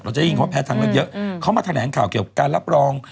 เราจะได้ยินว่าแพทย์ทางเลือกเยอะเขามาแถลงข่าวเกี่ยวกับการรับรอง